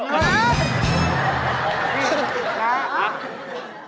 เอาล่ะ